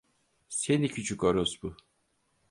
Seni küçük orospu!